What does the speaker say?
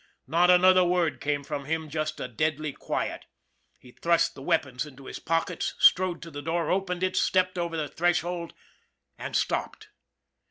Not another word came from him just a deadly quiet. He thrust the weapons into his THE BUILDER 145 pockets, strode to the door, opened it, stepped over the threshold and stopped.